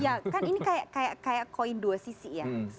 ya kan ini kayak koin dua sisi ya